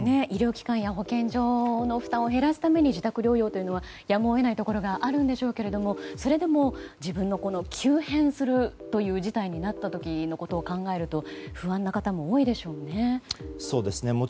医療機関や保健所の負担を減らすために自宅療養というのはやむを得ないところがあるんでしょうけれどもそれでも、急変するという事態になった時のことを考えると不安な方も多いでしょうね。